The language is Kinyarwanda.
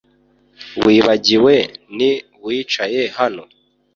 wibagiwe ni uwicaye hano